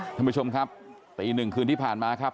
ท่านผู้ชมครับตีหนึ่งคืนที่ผ่านมาครับ